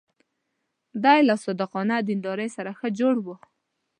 دی له صادقانه دیندارۍ سره ښه جوړ و.